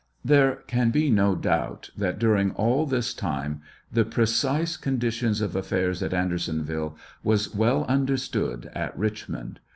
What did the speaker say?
There can be no doubt that during all this time the precise condition of affairs at Andersonville was well understood at Richmond.